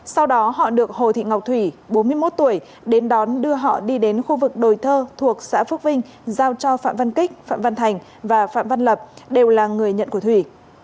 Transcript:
sau đó họ được hồ thị ngọc thủy bốn mươi một tuổi đến đón đưa họ đi đến khu vực đồi thơ thuộc xã phước vinh giao cho phạm văn kích phạm văn thành và phạm văn lập đều là người nhận của thủy